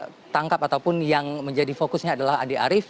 jadi tangkap ataupun yang menjadi fokusnya adalah andi arief